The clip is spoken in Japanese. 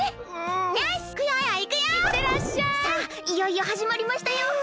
いよいよはじまりましたよ！